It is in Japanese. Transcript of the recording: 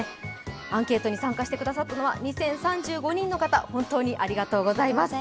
アンケートに参加してくださったのは２０３５人の方本当にありがとうございます。